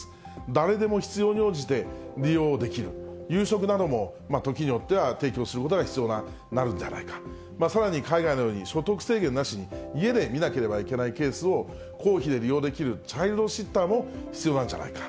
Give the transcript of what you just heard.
誰でも必要に応じて利用できる、夕食なども時によっては提供することが必要になるんじゃないか、さらに海外のように所得制限なしに、家で見なければいけないケースを、公費で利用できるチャイルドシッターも必要なんじゃないか。